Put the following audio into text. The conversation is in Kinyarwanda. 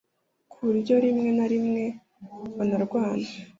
kuburyo rimwe na rimwe banarwara